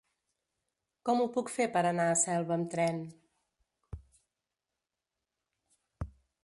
Com ho puc fer per anar a Selva amb tren?